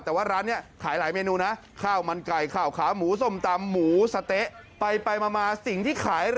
แต่ว่าร้านนี้ขายหลายเมนูนะ